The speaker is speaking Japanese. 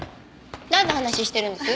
なんの話してるんです？